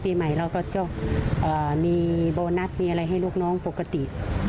ปีใหม่เราก็จะมีโบนัสมีอะไรให้ลูกน้องปกติ